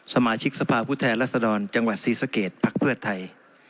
สมาชิกสภาพุทธแหลศดรจังหวัดศรีสะเกดพักเพือดไทย